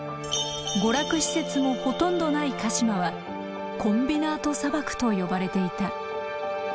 娯楽施設もほとんどない鹿嶋は「コンビナート砂漠」と呼ばれていた。